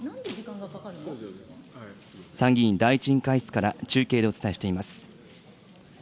参議院第１委員会室から中継でお伝えしています。